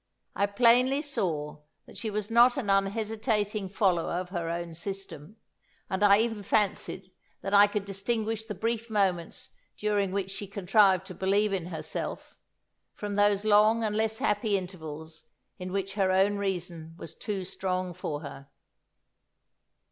I plainly saw that she was not an unhesitating follower of her own system; and I even fancied that I could distinguish the brief moments during which she contrived to believe in herself, from those long and less happy intervals in which her own reason was too strong for her.